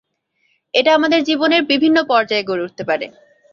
এটা আমাদের জীবনের বিভিন্ন পর্যায়ে গড়ে উঠতে পারে।